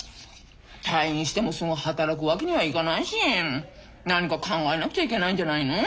退院してもすぐ働くわけにはいかないし何か考えなくちゃいけないんじゃないの？